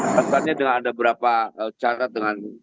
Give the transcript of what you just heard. katanya dengan ada beberapa cara dengan